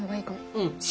うん。